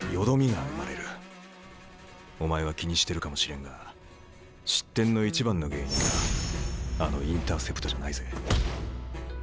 お前は気にしてるかもしれんが失点の一番の原因はあのインターセプトじゃないぜ。